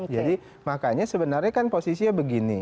jadi makanya sebenarnya kan posisinya begini